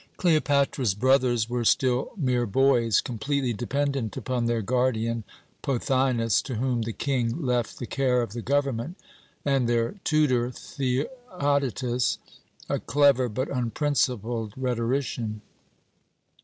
"Cleopatra's brothers were still mere boys, completely dependent upon their guardian, Pothinus, to whom the King left the care of the government, and their tutor, Theodotus, a clever but unprincipled rhetorician.